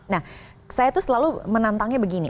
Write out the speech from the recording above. nah saya tuh selalu menantangnya begini